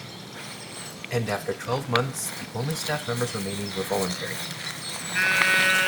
And after twelve months, the only staff members remaining were voluntary.